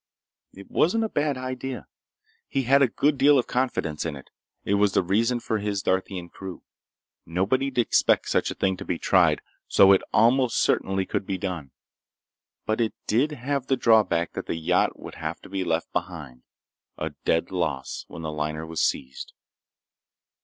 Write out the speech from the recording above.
It wasn't a bad idea. He had a good deal of confidence in it. It was the reason for his Darthian crew. Nobody'd expect such a thing to be tried, so it almost certainly could be done. But it did have the drawback that the yacht would have to be left behind, a dead loss, when the liner was seized.